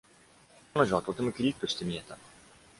彼女はとてもきりっとして見えた。